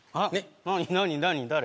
何何何誰？